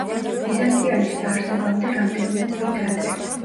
ბიზანტიონის დაარსებამდე რამდენიმე წლით ადრე.